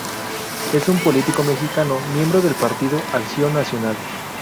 Es un político mexicano, miembro del Partido Acción Nacional.